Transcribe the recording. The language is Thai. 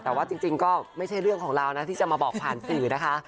แต่ว่าจริงก็ไม่ใช่เรื่องของเรานะที่จะมาบอกผ่านสื่อนะคะ